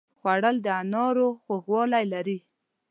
خوړل د انارو خوږوالی لري